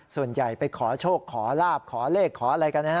ส่วนใหญ่ไปขอโชคขอลาบขอเลขขออะไรกันนะฮะ